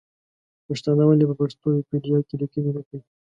پښتانه ولې په پښتو ویکیپېډیا کې لیکنې نه کوي ؟